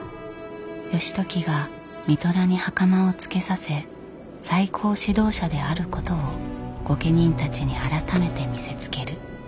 義時が三寅に袴を着けさせ最高指導者であることを御家人たちに改めて見せつける。